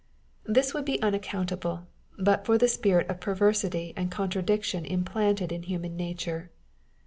This would be unaccountable, but for the spirit of perversity and contradiction implanted in human nature.